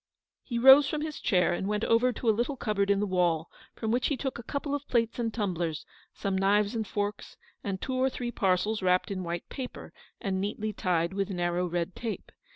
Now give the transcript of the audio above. He rose from his chair, and went over to a little cupboard in the wall, from which he took a couple of plates and tumblers, some knives and forks, and two or three parcels wrapped in white paper, and neatly tied with narrow red tape.